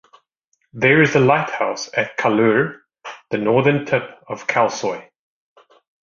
There is a lighthouse at Kallur, the northern tip of Kalsoy.